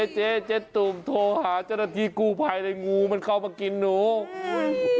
เจ๊เจ๊ตุ่มโทรหาเจ้าหน้าที่กู้ภัยเลยงูมันเข้ามากินหนูอุ้ย